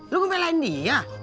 lu mau melain dia